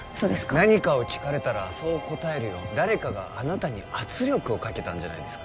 何かを聞かれたらそう答えるよう誰かがあなたに圧力をかけたんじゃないですか？